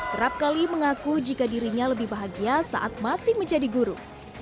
kerap kali mengaku jika dirinya lebih bahagia saat masih menjadi guru